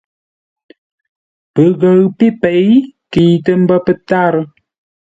Pəghəʉ pé pêi kəitə ḿbə́ pə́tárə́.